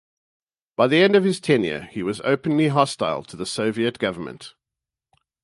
By the end of his tenure he was openly hostile to the Soviet government.